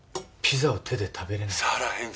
ピザを手で食べれない？